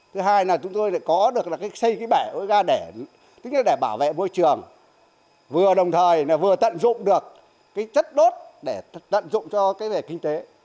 thứ hai là chúng tôi có được xây cái bẻ gà để bảo vệ môi trường vừa đồng thời vừa tận dụng được chất đốt để tận dụng cho kinh tế